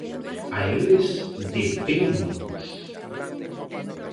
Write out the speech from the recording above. A eles debémonos.